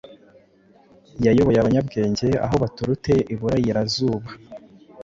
Yayoboye Abanyabwenge aho baturute iburairazuba,